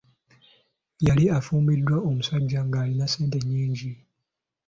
Yali afumbiddwa omusajja ng'alina ssente nyingi.